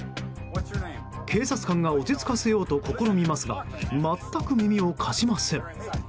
警察官が落ち着かせようと試みますが全く耳を貸しません。